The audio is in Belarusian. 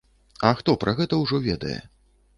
А хто пра гэта ўжо ведае?